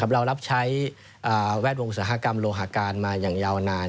เรารับใช้แวดวงอุตสาหกรรมโลหาการมาอย่างยาวนาน